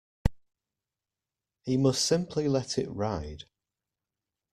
He must simply let it ride.